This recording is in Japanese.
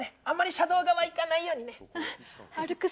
あんまり車道側行かないようにね。